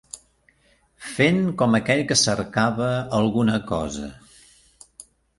Fent com aquell que cercava alguna cosa.